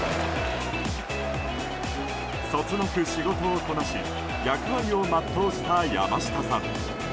そつなく仕事をこなし役割を全うした山下さん。